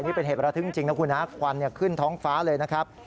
นี่เป็นเหตุประทึกจริงนะคุณฮะควันขึ้นท้องฟ้าเลยนะครับ